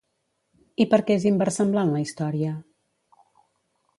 I per què és inversemblant la història?